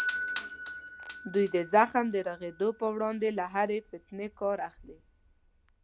دوی د زخم د رغېدو په وړاندې له هرې فتنې کار اخلي.